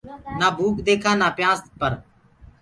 نآ ڀوڪَ ديکانٚ نآ پيآنٚس پر